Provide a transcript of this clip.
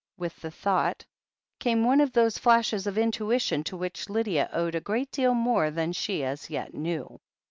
With the thought came one of those flashes of intuition to which Lydia owed a great deal more than she as yet knew.